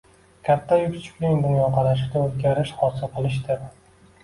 katta-yu kichikning dunyoqarashida o‘zgarish hosil qilishdir.